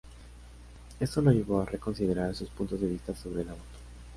Esto lo llevó a reconsiderar sus puntos de vista sobre el aborto.